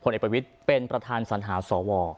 โพลไอภิวิทรเป็นประธานสัญหาสว